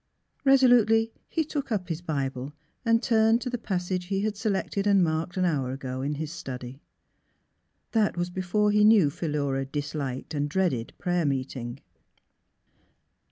Eesolutely he took up his Bible and turned to the passage he had selected and marked an hour ago in his study. That was before he knew Philura " disliked and dreaded " prayer meeting.